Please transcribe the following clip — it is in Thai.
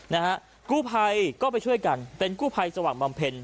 นะฮะกู้ภัยก็ไปช่วยกันเป็นกู้ภัยสว่างบำเพ็ญ